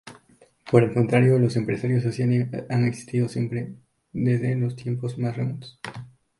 Por el contrario, los empresarios sociales han existido siempre, desde los tiempos más remotos.